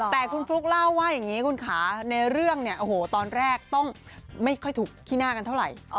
แต่คุณฟลุ๊กเล่าว่าอย่างนี้คุณขาในเรื่องเนี่ยโอ้โหตอนแรกต้องไม่ค่อยถูกขี้หน้ากันเท่าไหร่